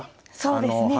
そうですね